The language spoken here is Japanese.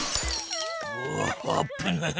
うわあぶない。